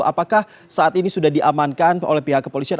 apakah saat ini sudah diamankan oleh pihak kepolisian